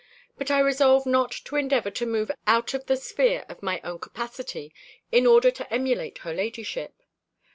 But I resolve not to endeavour to move out of the sphere of my own capacity, in order to emulate her ladyship.